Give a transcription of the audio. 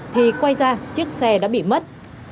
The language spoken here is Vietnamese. thì quay ra chiếc xe đã bị mất